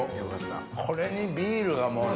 これにビールがもうね。